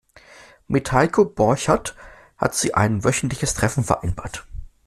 Mit Heiko Borchert hat sie ein wöchentliches Treffen vereinbart.